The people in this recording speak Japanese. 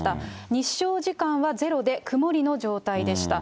日照時間はゼロで曇りの状態でした。